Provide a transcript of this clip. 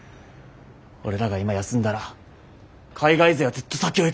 俺らが今休んだら海外勢はずっと先を行く。